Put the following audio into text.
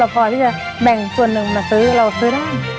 พอที่จะแบ่งส่วนหนึ่งมาซื้อเราซื้อได้